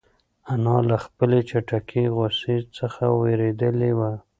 انا له خپلې چټکې غوسې څخه وېرېدلې وه.